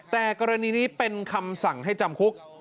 แต่กรณีนี้เป็นคำสั่งให้จำคุก